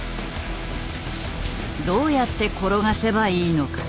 どうやって転がせばいいのか？